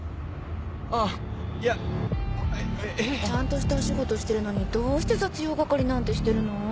あぁいや。ちゃんとしたお仕事してるのにどうして雑用係なんてしてるの？